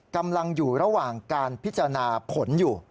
กำลังอยู่ระหว่างการพิจารณาผลอยู่